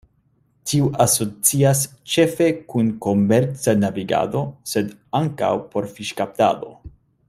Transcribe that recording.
Tio asocias ĉefe kun komerca navigado sed ankaŭ por fiŝkaptado.